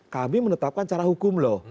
kami menetapkan cara hukum loh